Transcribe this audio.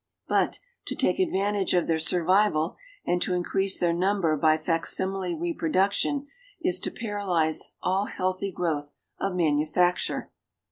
But, to take advantage of their survival and to increase their number by facsimile reproduction is to paralyse all healthy growth of manufacture.